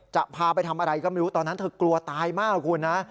จะพาไปทำอะไรก็ไม่รู้ตอนนั้นเธอกลัวตายมากคุณนะ